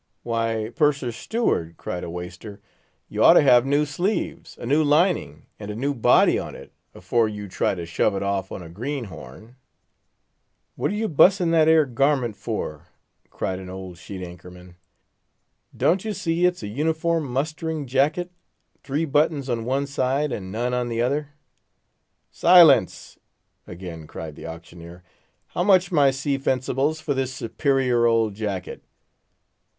"Why, Purser's Steward," cried a waister, "you ought to have new sleeves, a new lining, and a new body on it, afore you try to shove it off on a greenhorn." "What are you, 'busin' that 'ere garment for?" cried an old sheet anchor man. "Don't you see it's a 'uniform mustering jacket'—three buttons on one side, and none on t'other?" "Silence!" again cried the auctioneer. "How much, my sea fencibles, for this superior old jacket?"